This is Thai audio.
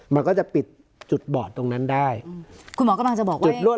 มันก็จะปิดจุดบอดตรงนั้นได้คุณหมอกำลังจะบอกว่าจุดรวด